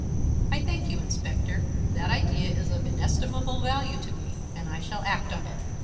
I thank you, Inspector. That idea is of inestimable value to me, and I shall act on it.